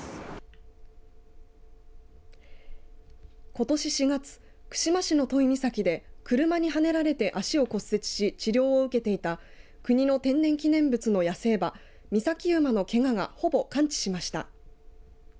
ことし４月串間市の都井岬で車にはねられて足を骨折し治療を受けていた国の天然記念物の野生馬岬馬のけががほぼ完治しました。